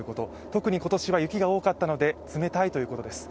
特に今年は雪が多かったので冷たいということです。